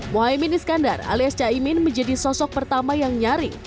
mohaimin iskandar alias caimin menjadi sosok pertama yang nyaring